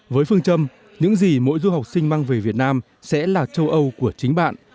với phương châm những gì mỗi du học sinh mang về việt nam sẽ là châu âu của chính bạn